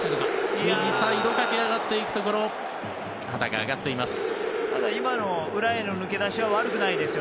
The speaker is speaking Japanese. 右サイド駆け上がっていくところ旗が上がっています。